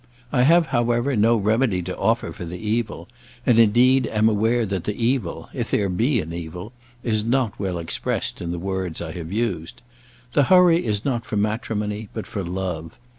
I have, however, no remedy to offer for the evil; and, indeed, am aware that the evil, if there be an evil, is not well expressed in the words I have used. The hurry is not for matrimony, but for love.